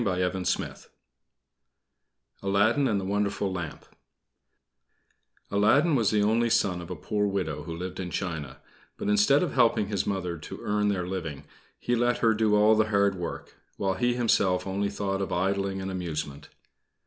ALADDIN AND THE WONDERFUL LAMP Aladdin was the only son of a poor widow who lived in China; but instead of helping his mother to earn their living, he let her do all the hard work, while he himself only thought of idling and amusement.